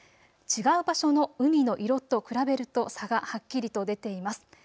違う場所の海の色と比べると差がはっきりと出ています。